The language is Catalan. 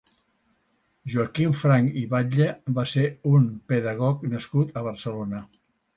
Joaquim Franch i Batlle va ser un pedagog nascut a Barcelona.